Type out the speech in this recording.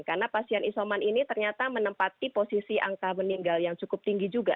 karena pasien isoman ini ternyata menempati posisi angka meninggal yang cukup tinggi juga